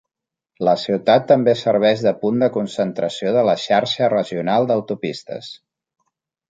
La ciutat també serveix de punt de concentració de la xarxa regional d'autopistes.